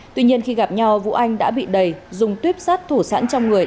tuy nhiên khi gặp nhau vũ anh đã bị đầy dùng tuyếp sắt thủ sẵn trong người